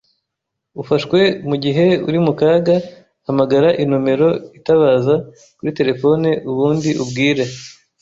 ufashwe mu gihe uri mu kaga hamagara inomero itabaza kuri telefone ubundi ubwire